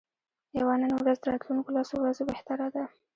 یوه نن ورځ د راتلونکو لسو ورځو بهتره ده.